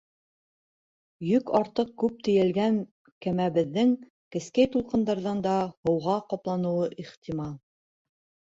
Йөк артыҡ күп тейәлгән кәмәбеҙҙең кескәй тулҡындан да һыуға ҡапланыуы ихтимал.